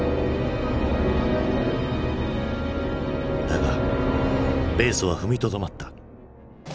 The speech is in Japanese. だが米ソは踏みとどまった。